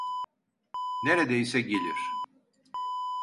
Neredeyse gelir.